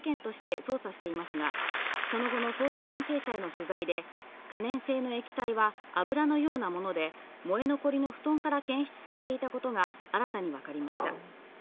警察は放火事件として捜査していますが、その後の捜査関係者への取材で可燃性の液体は油のようなもので、燃え残りの布団から検出されていたことが新たに分かりました。